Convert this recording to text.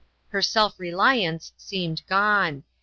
Her self reliance seemed gone.